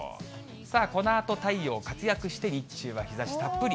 さあ、このあと太陽活躍して、日中は日ざしたっぷり。